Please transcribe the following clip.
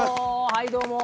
はいどうも！